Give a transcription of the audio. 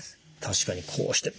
確かにこうして。